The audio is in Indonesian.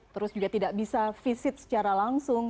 terus juga tidak bisa visit secara langsung